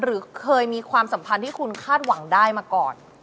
หรือเคยมีความสัมพันธ์ที่คุณคาดหวังได้มาก่อน